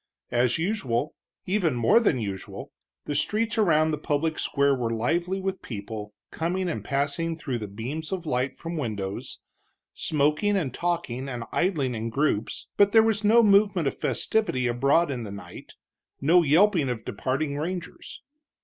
As usual, even more than usual, the streets around the public square were lively with people, coming and passing through the beams of light from windows, smoking and talking and idling in groups, but there was no movement of festivity abroad in the night, no yelping of departing rangers.